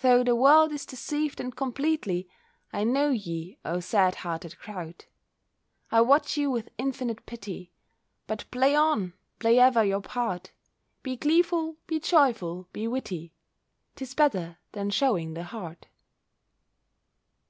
Though the world is deceived and completely, I know ye, O sad hearted crowd! I watch you with infinite pity: But play on, play ever your part, Be gleeful, be joyful, be witty! 'Tis better than showing the heart.